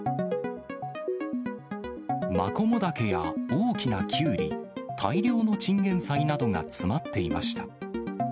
マコモダケや大きなキュウリ、大量のチンゲンサイなどが詰まっていました。